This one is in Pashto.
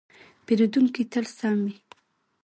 پیرودونکی تل سم وي.